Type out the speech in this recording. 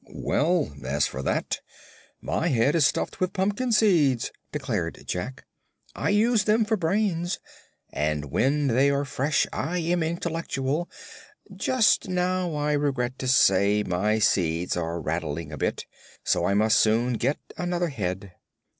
"Well, as for that, my head is stuffed with pumpkin seeds," declared Jack. "I use them for brains, and when they are fresh I am intellectual. Just now, I regret to say, my seeds are rattling a bit, so I must soon get another head."